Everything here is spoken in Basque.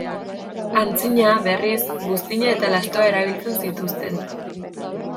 Antzina, berriz, buztina eta lastoa erabiltzen zituzten.